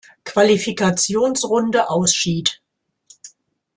Qualifikationsrunde ausschied.